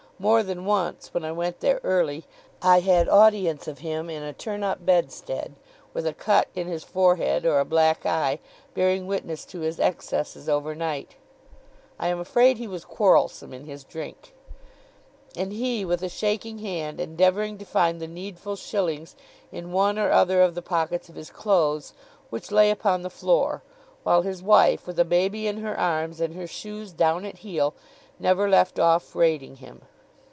More than once, when I went there early, I had audience of him in a turn up bedstead, with a cut in his forehead or a black eye, bearing witness to his excesses over night (I am afraid he was quarrelsome in his drink), and he, with a shaking hand, endeavouring to find the needful shillings in one or other of the pockets of his clothes, which lay upon the floor, while his wife, with a baby in her arms and her shoes down at heel, never left off rating him.